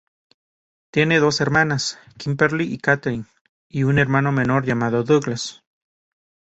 Tiene dos hermanas, Kimberly y Catherine; y un hermano menor llamado Douglas.